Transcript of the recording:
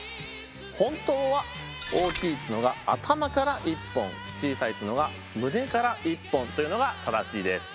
本当は大きい角が頭から１本小さい角が胸から１本というのが正しいです。